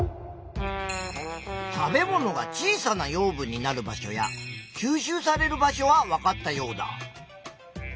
食べ物が小さな養分になる場所や吸収される場所はわかったヨウダ。